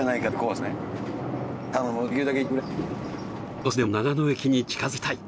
少しでも長野駅に近づきたい。